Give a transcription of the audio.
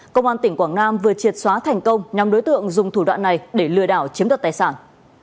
công an tỉnh quảng nam vừa triệt xóa thành công nhóm đối tượng dùng thủ đoạn này để lừa đảo chiếm đoạt tài sản